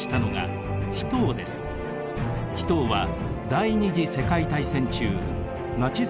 ティトーは第二次世界大戦中ナチス